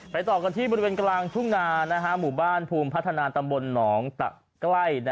ต่อกันที่บริเวณกลางทุ่งนาหมู่บ้านภูมิพัฒนาตำบลหนองตะใกล้